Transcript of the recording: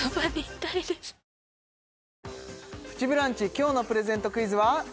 今日のプレゼントクイズは？